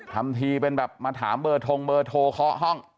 ทำทีเป็นแบบมาถามเบอร์ทงเบอร์โทรเคาะห้อง